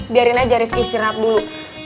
biarin aja rif istirahat dulu